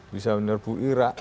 bisa menyerbu irak